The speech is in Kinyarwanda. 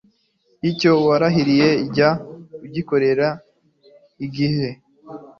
icyo warahiriye jya ugikorera igihe